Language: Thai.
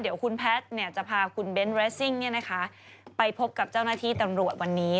เดี๋ยวคุณแพทย์จะพาคุณเบ้นเรสซิ่งไปพบกับเจ้าหน้าที่ตำรวจวันนี้